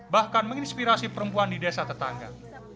bahkan menginspirasi perempuan di desa tetangga